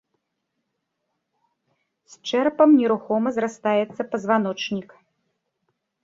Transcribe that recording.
З чэрапам нерухома зрастаецца пазваночнік.